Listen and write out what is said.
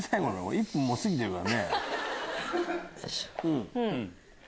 １分もう過ぎてるから。